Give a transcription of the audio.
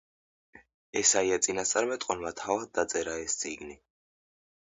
ესაია წინასწარმეტყველმა თავად დაწერა ეს წიგნი.